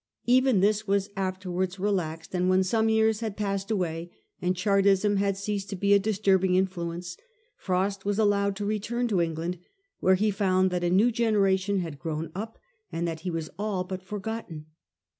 Even this was afterwards relaxed, and when some years had passed away, and Char tism had ceased to be a disturbing influence, Frost was allowed to return to England, where he found that a new generation had grown up, and that he was all but forgotten.